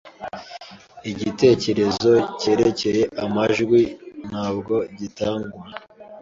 Igitekerezo cyerekeye amajwi ntabwo gitangwa